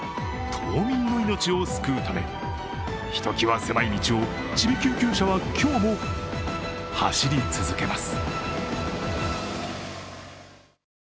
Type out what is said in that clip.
島民の命を救うため、ひときわ狭い道をちび救急車は今日も走り続けます。